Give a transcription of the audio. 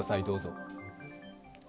どうぞ。